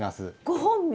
ご本名？